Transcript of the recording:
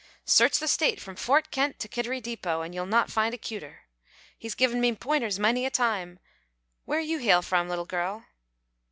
"Search the State from Fort Kent to Kittery Depot, and you'll not find a cuter. He's given me pointers many a time where you hail from, leetle gal?"